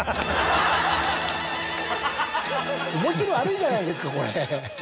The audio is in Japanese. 思い切り悪いじゃないですかこれ。